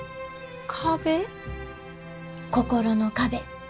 心の壁。